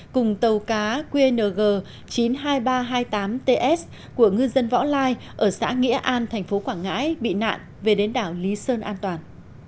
cùng tàu cá qng chín mươi hai nghìn ba trăm hai mươi tám ts của ngư dân võ lai ở xã nghĩa an thành phố quảng ngãi bị nạn về đến đảo lý sơn an toàn